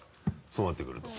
そうなってくると。